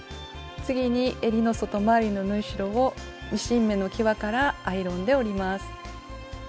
次にえりの外回りの縫い代をミシン目のきわからアイロンで折ります。